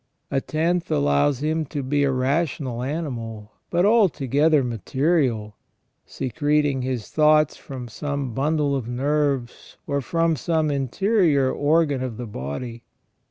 A tenth allows him to be a rational animal, but altogether material, secreting his thoughts from some bundle of nerves, or from some interior organ of the body.